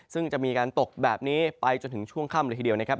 ซึ่งจะมีการตกแบบนี้ไปจนถึงช่วงค่ำเลยทีเดียวนะครับ